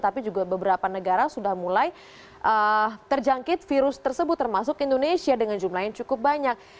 tapi juga beberapa negara sudah mulai terjangkit virus tersebut termasuk indonesia dengan jumlah yang cukup banyak